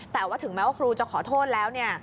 แต่ว่าถึงแม้ว่าครูจะขอโทษแล้วเนี่ย